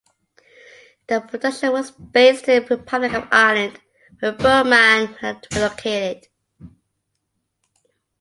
The production was based in the Republic of Ireland, where Boorman had relocated.